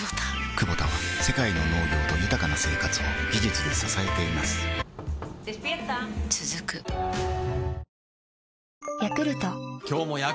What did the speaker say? クボタは世界の農業と豊かな生活を技術で支えています起きて。